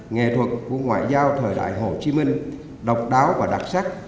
nghệ thuật của ngoại giao thời đại hồ chí minh độc đáo và đặc sắc